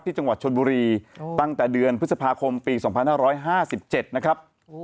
จังหวัดชนบุรีตั้งแต่เดือนพฤษภาคมปี๒๕๕๗นะครับ